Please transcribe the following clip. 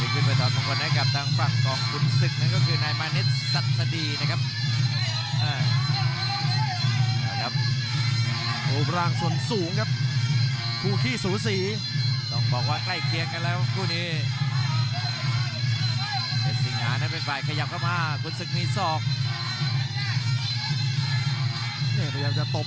เตือนทั้งคู่ครับให้เล่นเกมครับ